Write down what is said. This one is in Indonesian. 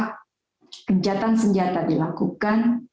kencetan senjata dilakukan